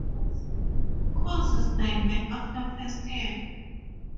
Courses divert after first year.